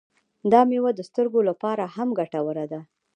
دا میوه د سترګو لپاره هم ګټوره ده.